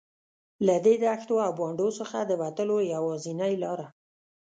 له دې دښتو او بانډو څخه د وتلو یوازینۍ لاره.